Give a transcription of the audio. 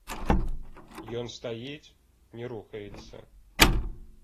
Ён стаіць, не рухаецца.